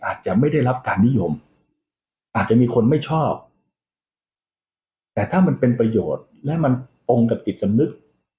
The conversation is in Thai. อาจจะไม่ได้รับการนิยมอาจจะมีคนไม่ชอบแต่ถ้ามันเป็นประโยชน์และมันตรงกับจิตสำนึก